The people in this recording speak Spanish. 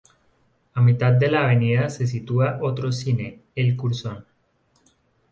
A mitad de la avenida se sitúa otro cine, el Curzon.